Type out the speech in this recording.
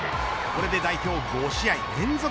これで代表５試合連続